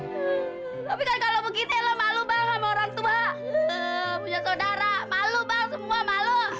tapi kan kalau begitu lo malu banget orang tua punya saudara malu bang semua malu